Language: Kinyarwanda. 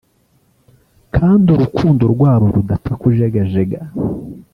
kandi urukundo rwabo rudapfa kujegajega